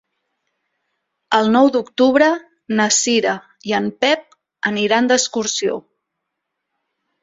El nou d'octubre na Cira i en Pep aniran d'excursió.